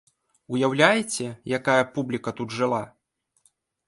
Уяўляеце, якая публіка тут жыла?